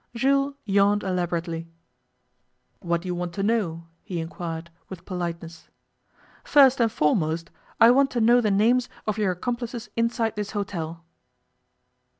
Jules yawned elaborately. 'What do you want to know?' he inquired, with politeness. 'First and foremost, I want to know the names of your accomplices inside this hotel.